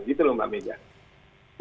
gitu lho mbak megi